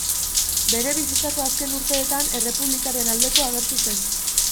Bere bizitzako azken urteetan errepublikaren aldeko agertu zen.